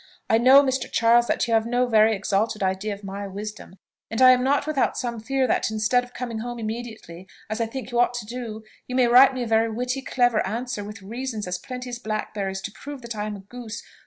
I know, Mr. Charles, that you have no very exalted idea of my wisdom; and I am not without some fear that instead of coming home immediately, as I think you ought to do, you may write me a very witty, clever answer, with reasons as plenty as blackberries to prove that I am a goose.